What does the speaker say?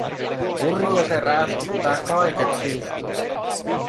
Hurja se räyskyttää kaiket syysyöt.